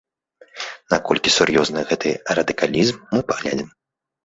Наколькі сур'ёзны гэты радыкалізм, мы паглядзім.